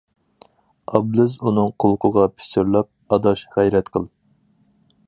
ئابلىز ئۇنىڭ قۇلىقىغا پىچىرلاپ: ئاداش، غەيرەت قىل!